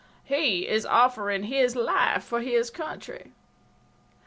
He is offering his life for his country.